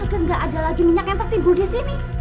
agar nggak ada lagi minyak yang tertimbul di sini